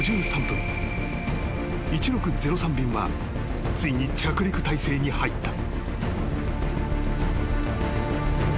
［１６０３便はついに着陸体勢に入った］